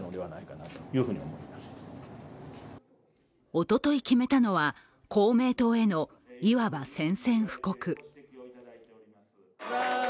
おととい決めたのは、公明党へのいわば宣戦布告。